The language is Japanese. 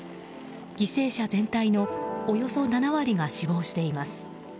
犠牲者全体のおよそ７割が死亡しています。